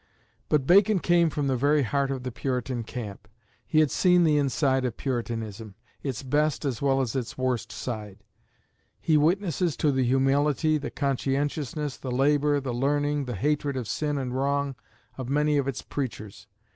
But Bacon came from the very heart of the Puritan camp. He had seen the inside of Puritanism its best as well as its worst side. He witnesses to the humility, the conscientiousness, the labour, the learning, the hatred of sin and wrong, of many of its preachers.